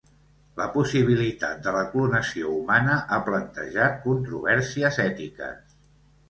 La possibilitat de la clonació humana ha plantejat controvèrsies ètiques.